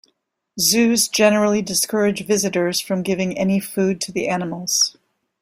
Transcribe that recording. Zoos generally discourage visitors from giving any food to the animals.